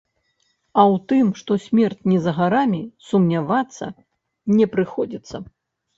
А ў тым, што смерць не за гарамі, сумнявацца не прыходзіцца.